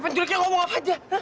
eh penculiknya ngomong apa aja